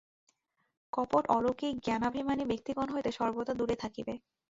কপট অলৌকিক জ্ঞানাভিমানী ব্যক্তিগণ হইতে সর্বদা দূরে থাকিবে।